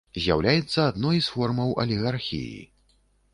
З'яўляецца адной з формаў алігархіі.